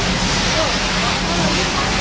สุดท้ายสุดท้ายสุดท้าย